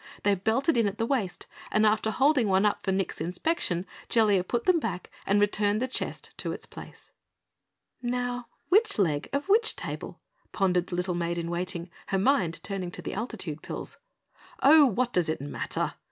They belted in at the waist and after holding one up for Nick's inspection, Jellia put them back and returned the chest to its place. "Now which leg of which table?" pondered the little Maid in Waiting, her mind turning to the altitude pills. "Oh, what does it matter?"